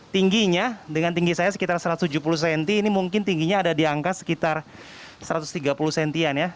tingginya dengan tinggi saya sekitar satu ratus tujuh puluh cm ini mungkin tingginya ada di angka sekitar satu ratus tiga puluh cm ya